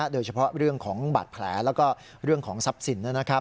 โดยเฉพาะเรื่องของบาดแผลแล้วก็เรื่องของทรัพย์สิน